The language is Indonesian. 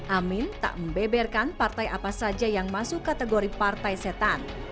amin tak membeberkan partai apa saja yang masuk kategori partai setan